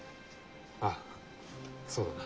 ああそうだな。